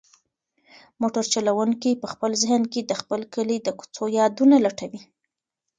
موټر چلونکی په خپل ذهن کې د خپل کلي د کوڅو یادونه لټوي.